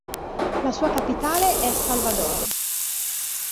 La sua capitale è Salvador.